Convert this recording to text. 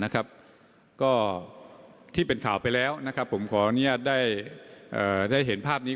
ก็ที่เป็นข่าวไปแล้วนะครับผมขออนุญาตได้เห็นภาพนี้